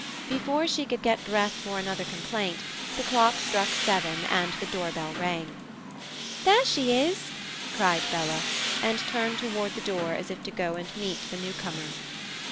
Before she could get breath for another complaint, the clock struck seven and the doorbell rang. "There she is!" cried Bella, and turned toward the door as if to go and meet the newcomer.